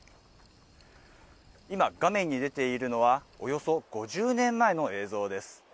今、画面に出ているのは、およそ５０年前の映像です。